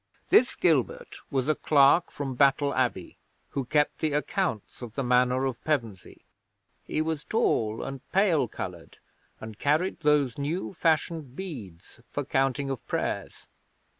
'This Gilbert was a clerk from Battle Abbey, who kept the accounts of the Manor of Pevensey. He was tall and pale coloured, and carried those new fashioned beads for counting of prayers.